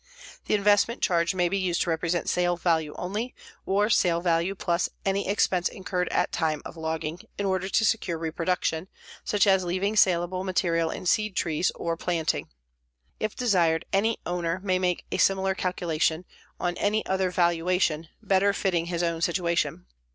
The investment charge may be used to represent sale value only, or sale value plus any expense incurred at time of logging in order to secure reproduction, such as leaving salable material in seed trees, or planting. If desired, any owner may make a similar calculation on any other valuation better fitting his own situation.